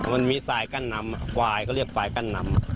มันมีสายกั้นน้ำควายก็เรียกควายกั้นน้ำ